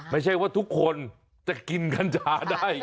ไม่ใช่ว่าทุกคนจะกินกัญชาได้